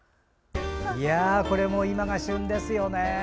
これも今が旬ですよね。